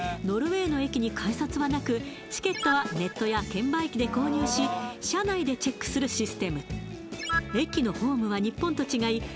ノルウェーの駅に改札はなくチケットはネットや券売機で購入し車内でチェックするシステム駅のホームは日本と違い